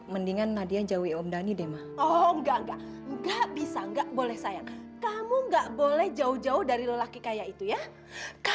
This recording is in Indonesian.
memang berubah jadi libur